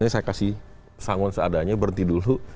saya kasih sangon seadanya berhenti dulu